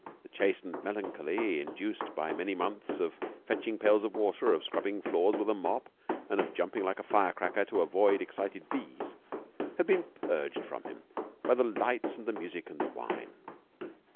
The chastened melancholy induced by many months of fetching of pails of water, of scrubbing floors with a mop, and of jumping like a firecracker to avoid excited bees had been purged from him by the lights and the music and the wine.